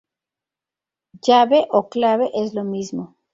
Llave o clave es lo mismo.